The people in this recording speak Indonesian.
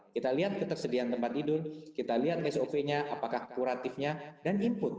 kita lihat ketersediaan tempat tidur kita lihat sop nya apakah kuratifnya dan input